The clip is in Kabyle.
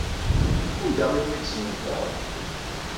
Anda ay ten-id-tesnulfaḍ?